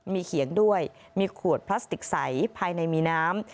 มีเขียงด้วยมีขวดพลาสติกใสภายในมีน้ำ